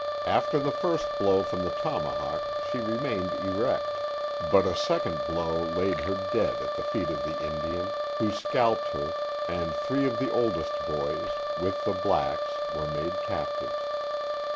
After the first blow from the tomahawk she remained erect, but a second blow laid her dead at the feet of the Indian, who scalped her, and three of the oldest boys, with the blacks, were made captives.